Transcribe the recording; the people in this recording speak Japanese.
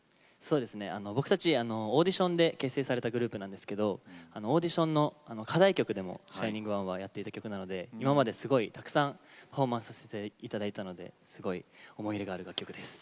僕たちオーディションで結成されたグループなんですけどオーディションの課題曲でも「ＳｈｉｎｉｎｇＯｎｅ」はやっていた曲なので今まですごいたくさんパフォーマンスさせて頂いたのですごい思い入れがある楽曲です。